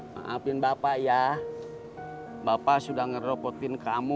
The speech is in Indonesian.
maafin bapak ya bapak sudah ngeropotin kamu